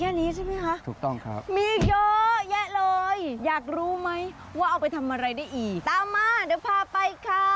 แค่นี้ใช่ไหมคะถูกต้องครับมีเยอะแยะเลยอยากรู้ไหมว่าเอาไปทำอะไรได้อีกตามมาเดี๋ยวพาไปค่ะ